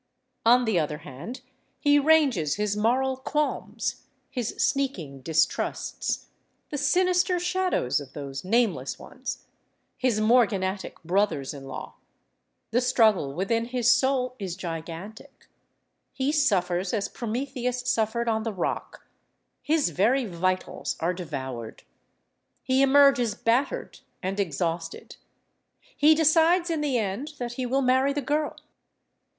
On the other hand he ranges his moral qualms, his sneaking distrusts, the sinister shadows of those nameless ones, his morganatic brothers in law. The struggle within his soul is gigantic. He suffers as Prometheus suffered on the rock; his very vitals are devoured; he emerges battered and exhausted. He decides, in the end, that he will marry the girl.